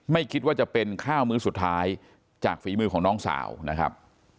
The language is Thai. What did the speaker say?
ไม่คิดว่าจะเป็นข้าวมื้อสุดท้ายจากฝีมือของน้องสาวนะครับ